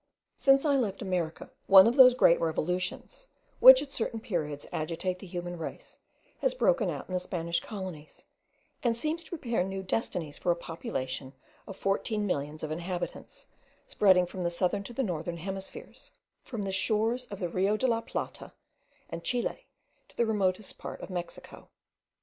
Since I left America, one of those great revolutions, which at certain periods agitate the human race, has broken out in the Spanish colonies, and seems to prepare new destinies for a population of fourteen millions of inhabitants, spreading from the southern to the northern hemisphere, from the shores of the Rio de la Plata and Chile to the remotest part of Mexico.